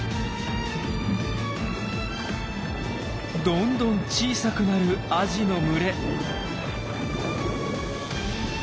どんどん小さくなるアジの群れ。